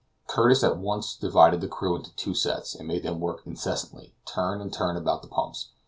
Curtis at once divided the crew into two sets, and made them work incessantly, turn and turn about, at the pumps.